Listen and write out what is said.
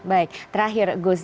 baik terakhir gus